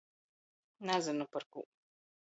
Nazynu parkū.